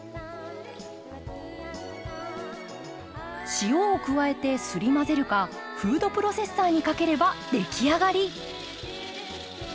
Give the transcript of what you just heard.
塩を加えてすり混ぜるかフードプロセッサーにかければ出来上がり。